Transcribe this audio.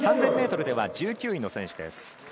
３０００ｍでは１９位の選手です。